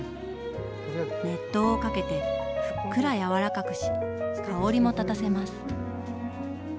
熱湯をかけてふっくら柔らかくし香りも立たせます。